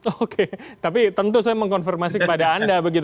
oke tapi tentu saya mengkonfirmasi kepada anda begitu